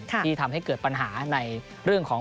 ที่ทำให้เกิดปัญหาในเรื่องของ